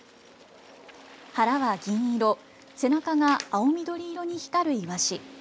腹は銀色、背中が青緑色に光るイワシ。